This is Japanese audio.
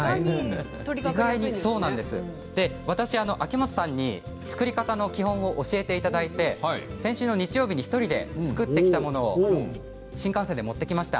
私、秋元さんに作り方の基本を教えていただいて先週の日曜日に１人で作ってきたものを新幹線で持ってきました。